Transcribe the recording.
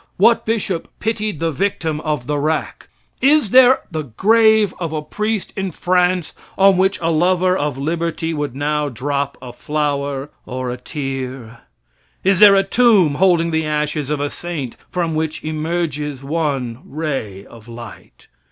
What bishop pitied the victim of the rack? Is there the grave of a priest in France on which a lover of liberty would now drop a flower or a tear? Is there a tomb holding the ashes of a saint from which emerges one ray of light?